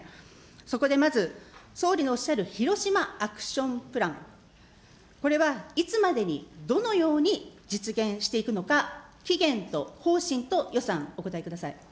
そこでまず、総理のおっしゃるヒロシマ・アクション・プラン、これはいつまでに、どのように実現していくのか、期限と方針と予算、お答えください。